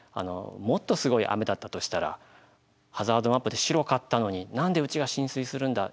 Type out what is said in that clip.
もっとすごい雨だったとしたらハザードマップで白かったのに何でうちが浸水するんだ。